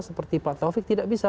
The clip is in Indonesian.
seperti pak taufik tidak bisa